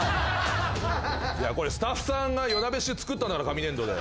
スタッフさんが夜なべして作ったんだから紙粘土で。